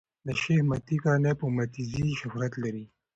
د شېخ متی کورنۍ په "متي زي" شهرت لري.